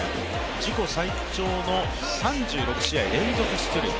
自己最長の３６試合連続出塁。